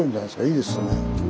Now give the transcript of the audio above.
いいですよね。